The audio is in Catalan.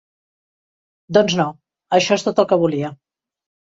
Doncs no, això és tot el que volia.